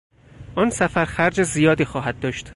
آن سفر خرج زیادی خواهد داشت.